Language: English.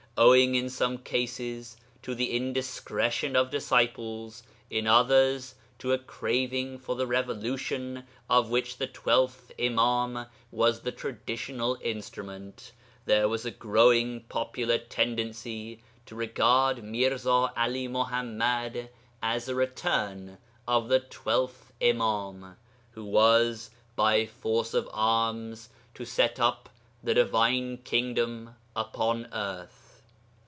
Owing in some cases to the indiscretion of disciples, in others to a craving for the revolution of which the Twelfth Imâm was the traditional instrument, there was a growing popular tendency to regard Mirza 'Ali Muḥammad as a 'return' of the Twelfth Imâm, who was, by force of arms, to set up the divine kingdom upon earth.